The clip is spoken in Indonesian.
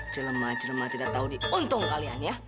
jelema jelema tidak tahu di untung kalian ya